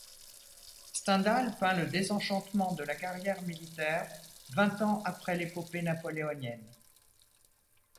Stendhal peint le désenchantement de la carrière militaire vingt ans après l'épopée napoléonienne.